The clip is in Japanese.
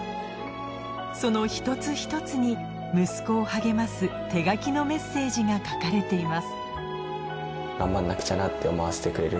その一つ一つに息子を励ます手書きのメッセージが書かれています